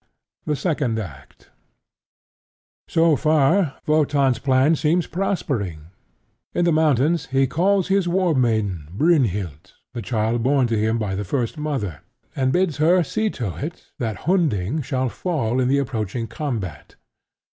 The Second Act So far, Wotan's plan seems prospering. In the mountains he calls his war maiden Brynhild, the child borne to him by the First Mother, and bids her see to it that Hunding shall fall in the approaching combat.